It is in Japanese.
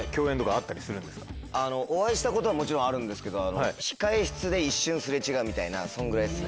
あのお会いしたことはもちろんあるんですけど控室で一瞬すれ違うみたいなそのぐらいですね。